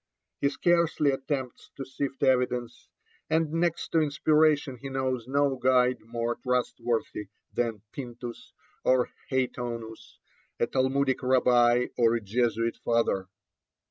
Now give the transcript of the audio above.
He scarcely attempts to sift evidence, and next to Inspiration he knows no guide more trustworthy than Pintus or Haytonus, a Talmudic rabbi or a Jesuit father.